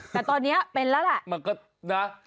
แต่ตอนนี้เป็นแล้วแหละ